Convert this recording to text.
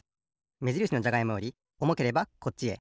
めじるしのじゃがいもよりおもければこっちへ。